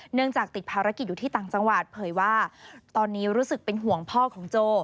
เนื่องจากติดภารกิจอยู่ที่ต่างจังหวัดเผยว่าตอนนี้รู้สึกเป็นห่วงพ่อของโจ